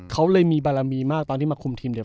เขาเลยมีบารมีมากตอนที่มาคุมทีมเดียว